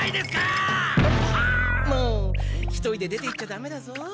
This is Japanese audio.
もう一人で出ていっちゃダメだぞ。